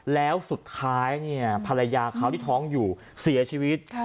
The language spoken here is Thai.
แล้วสุดท้ายเนี่ยภรรยาเขาที่ท้องอยู่เสียชีวิต